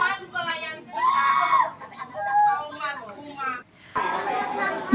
ia pun tak henti hentinya menangis meraung raung di peti jenazah ibunda